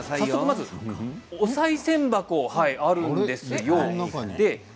まず、おさい銭箱があるんですよ。